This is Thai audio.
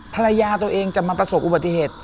ภรรยาตัวเองจะมาประสบอุบัติเหตุ